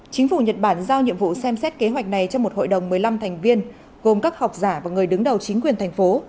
chính phủ nhật bản giao nhiệm vụ xem xét kế hoạch này cho một hội đồng một mươi năm thành viên gồm các học giả và người đứng đầu chính quyền thành phố